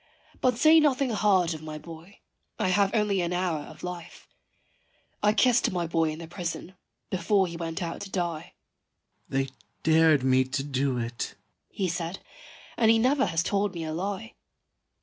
But say nothing hard of my boy, I have only an hour of life. I kissed my boy in the prison, before he went out to die. "They dared me to do it," he said, and he never has told me a lie.